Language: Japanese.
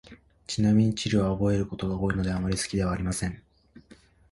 ちなみに、地理は覚えることが多いので、あまり好きではありません。